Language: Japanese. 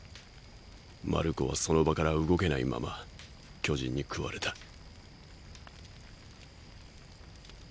マルコはその場から動けないまま巨人に食われた。